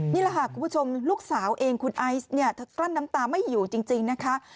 นี่แหละค่ะคุณผู้ชมลูกสาวเองคุณไอซ์เนี่ยเธอกลั้นน้ำตาไม่อยู่จริงนะคะ